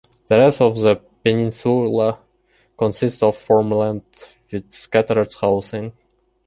The rest of the peninsula consists of farmland with scattered housing.